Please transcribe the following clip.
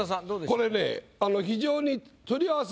これね非常に。